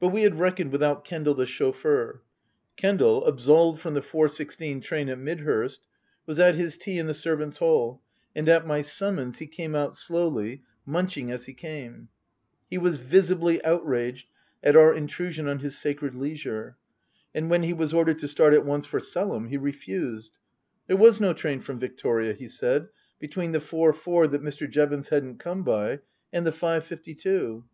But we had reckoned without Kendal, the chauffeur. Kendal, absolved from the four sixteen train at Mid hurst, was at his tea in the servants' hall, and at my summons he came out slowly, munching as he came. He was visibly outraged at our intrusion on his sacred leisure. And when he was ordered to start at once for Selham, he refused. There was no train from Victoria, he said, between the four four that Mr. Jevons hadn't come by and the five fifty two.